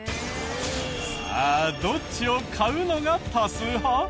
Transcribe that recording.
さあどっちを買うのが多数派？